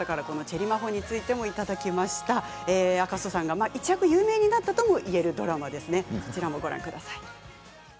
赤楚さんが一躍有名になったともいえるドラマです。